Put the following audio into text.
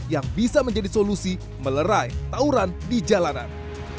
yang bisa menjadi solusi melerai tawuran di jalanan